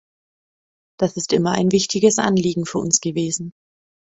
Das ist immer ein wichtiges Anliegen für uns gewesen.